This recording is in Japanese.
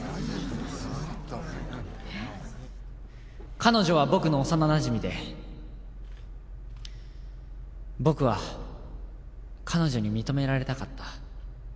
彼女は僕の幼なじみで僕は彼女に認められたかった。